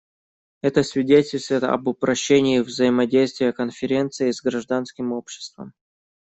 Это свидетельствует об упрочении взаимодействия Конференции с гражданским обществом.